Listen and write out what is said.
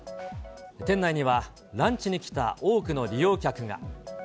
店内にはランチに来た多くの利用客が。